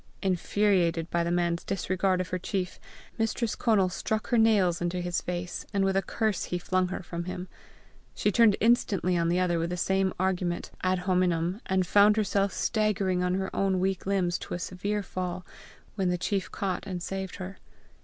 Infuriated by the man's disregard of her chief, Mistress Conal struck her nails into his face, and with a curse he flung her from him. She turned instantly on the other with the same argument ad hominem, and found herself staggering on her own weak limbs to a severe fall, when the chief caught and saved her.